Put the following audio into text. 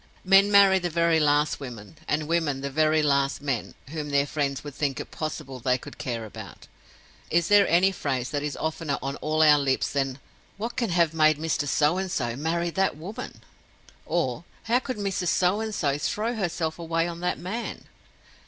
Men marry the very last women, and women the very last men, whom their friends would think it possible they could care about. Is there any phrase that is oftener on all our lips than 'What can have made Mr. So and So marry that woman?'—or 'How could Mrs. So and So throw herself away on that man?